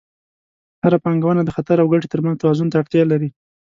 هره پانګونه د خطر او ګټې ترمنځ توازن ته اړتیا لري.